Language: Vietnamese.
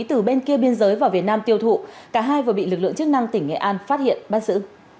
từ bên kia biên giới vào việt nam tiêu thụ cả hai vừa bị lực lượng chức năng tỉnh nghệ an phát hiện bắt giữ